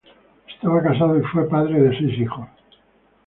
Estaba casado y fue padre de seis hijos.